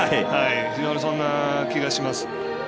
非常にそんな気がします。